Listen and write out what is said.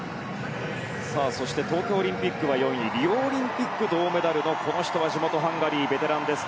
そして、東京オリンピックは４位リオオリンピック銅メダルのこの人は地元ハンガリー、ベテランです。